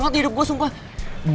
gerak lah si anak itu